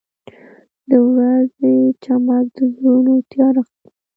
• د ورځې چمک د زړونو تیاره ختموي.